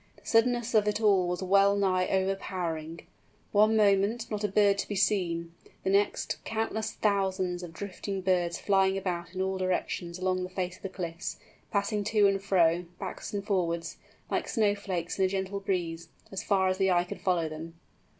The suddenness of it all was well nigh overpowering. One moment, not a bird to be seen; the next, countless thousands of drifting birds flying about in all directions along the face of the cliffs, passing to and fro, backwards and forwards, like snow flakes in a gentle breeze, far as the eye could follow them!